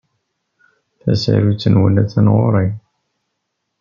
Tasarut-nwent attan ɣur-i.